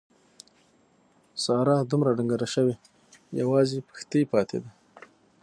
ساره دومره ډنګره شوې یوازې پښتۍ پاتې ده.